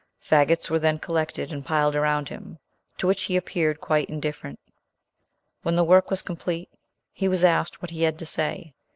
Faggots were then collected and piled around him, to which he appeared quite indifferent. When the work was completed, he was asked what he had to say.